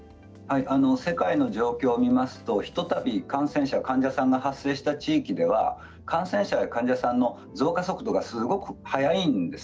世界の状況を見ますとひとたび、感染者患者さんが発生した地域では感染者や患者さんの増加速度がすごく早いんです。